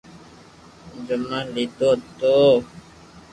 جمم ليدو ھتو